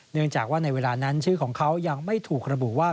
เนื่องจากว่าในเวลานั้นชื่อของเขายังไม่ถูกระบุว่า